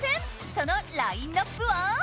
そのラインナップは？